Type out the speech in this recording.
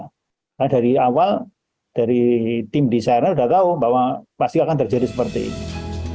karena dari awal dari tim desainer sudah tahu bahwa pasti akan terjadi seperti ini